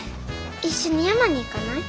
一緒に山に行かない？